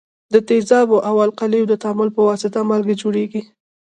د تیزابو او القلیو د تعامل په واسطه مالګې جوړیږي.